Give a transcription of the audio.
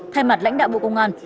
thay mặt lãnh đạo bộ công an